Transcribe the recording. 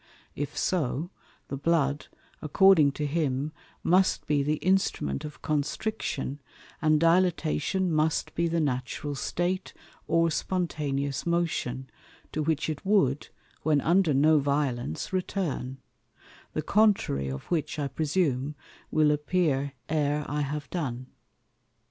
If so, the Blood, according to him, must be the Instrument of Constriction; and Dilatation must be the Natural State, or Spontaneous Motion, to which it wou'd, when under no violence, return; the contrary of which, I presume, will appear e're I have done.